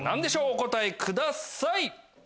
お答えください。